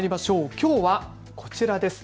きょうはこちらです。